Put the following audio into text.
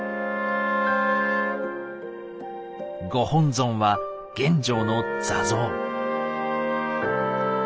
ご本尊は玄奘の座像。